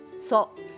そう。